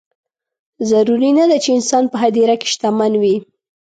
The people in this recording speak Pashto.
ضروري نه ده چې انسان په هدیره کې شتمن وي.